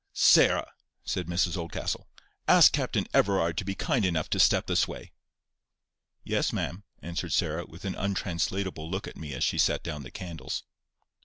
"Sarah," said Mrs Oldcastle, "ask Captain Everard to be kind enough to step this way." "Yes, ma'am," answered Sarah, with an untranslatable look at me as she set down the candles.